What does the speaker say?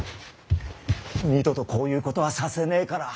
二度とこういうことはさせねえから。